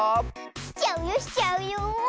しちゃうよしちゃうよ！